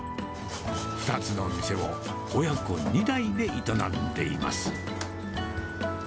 ２つの店を親子２代で営んでいます。